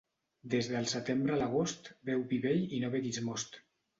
Des del setembre a l'agost, beu vi vell i no beguis most.